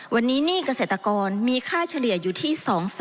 วันนี้หนี้เกษตรกรมีค่าเฉลี่ยอยู่ที่๒๐๐๐